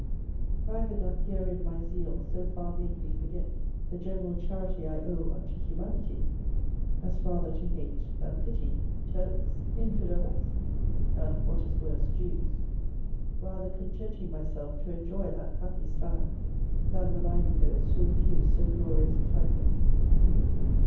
Neither doth herein my zeal so far make me forget the general charity I owe unto humanity, as rather to hate than pity Turks, Infidels, and (what is worse) Jews; rather contenting myself to enjoy that happy style, than maligning those who refuse so glorious a title.